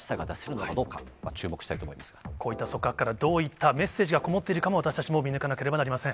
こういった組閣からどういったメッセージが込もっているかも、私たちは見抜かなければなりません。